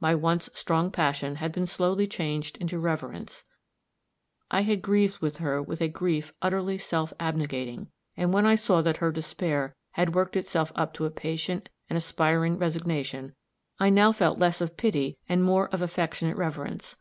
My once strong passion had been slowly changing into reverence; I had grieved with her with a grief utterly self abnegating, and when I saw that her despair had worked itself up to a patient and aspiring resignation, I now felt less of pity and more of affectionate reverence.